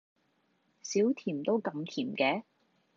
少甜都咁甜嘅？